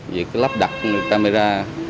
việc lắp đặt camera